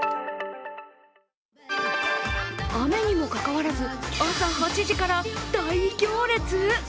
雨にもかかわらず朝８時から大行列？